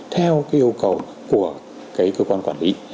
theo cái ưu cầu của cơ quan quản lý